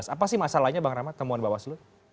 apa sih masalahnya bang rahmat temuan bawaslu